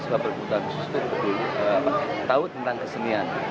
siswa berkebutuhan khususnya tahu tentang kesenian